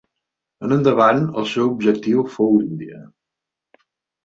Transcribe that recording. En endavant el seu objectiu fou l'Índia.